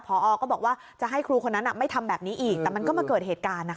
พอก็บอกว่าจะให้ครูคนนั้นไม่ทำแบบนี้อีกแต่มันก็มาเกิดเหตุการณ์